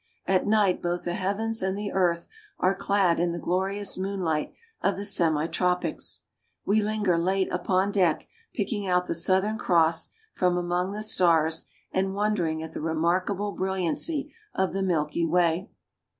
At night both the heavens and the earth are clad in the glorious moonlight of the semi tropics. We linger late upon deck, picking out the South ern Cross from among the stars, and wondering at the remarkable brilliancy of the Milky Way.